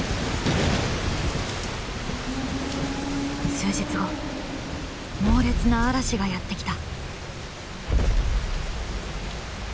数日後猛烈な嵐がやって来た。